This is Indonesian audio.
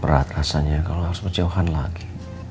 berat rasanya kalau harus berjauhan lagi